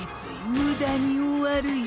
ムダに終わるよ？